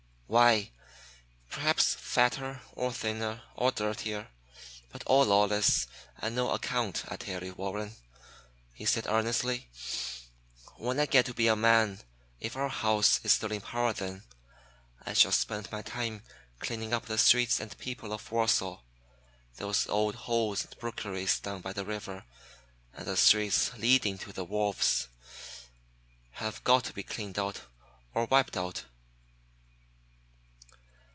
"Why, perhaps fatter, or thinner, or dirtier, but all lawless and no account. I tell you, Warren," he said earnestly, "when I get to be a man, if our house is still in power then, I shall spend my time cleaning up the streets and people of Warsaw. Those old holes and rookeries down by the river, and the streets leading to the wharves have got to be cleaned out or wiped out."